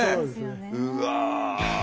うわ。